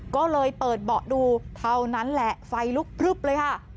ก็เลยเปิดเบาะดูเท่านั้นแหละไฟลุกพลึบเลยค่ะ